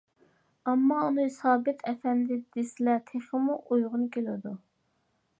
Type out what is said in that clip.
-ئەمما ئۇنى سابىت ئەپەندى دېسىلە تېخىمۇ ئۇيغۇن كېلىدۇ.